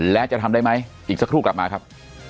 และจะทำได้ไหมอีกสักครู่กลับมาครับ